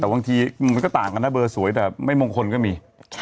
แต่บางทีมันก็ต่างกันนะเบอร์สวยแต่ไม่มงคลก็มี